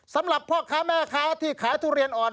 สำหรับพ่อค้าแม่ค้าที่ขายทุเรียนอ่อน